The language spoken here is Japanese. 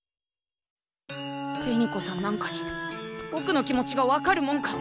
紅子さんなんかにぼくの気持ちが分かるもんか！